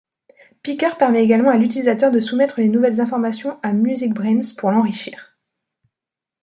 Picard permet également à l'utilisateur de soumettre les nouvelles informations à MusicBrainz pour l'enrichir.